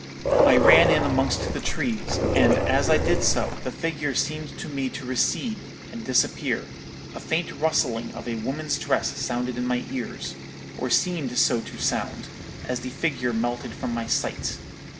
"I ran in amongst the trees; and as I did so, the figure seemed to me to recede, and disappear; a faint rustling of a woman's dress sounded in my ears, or seemed so to sound, as the figure melted from my sight.